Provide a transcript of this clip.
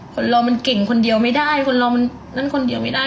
คนเรามันเก่งคนเดียวไม่ได้คนเรามันนั่นคนเดียวไม่ได้